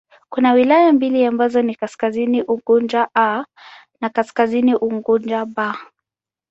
Kuna wilaya mbili ambazo ni Kaskazini Unguja 'A' na Kaskazini Unguja 'B'.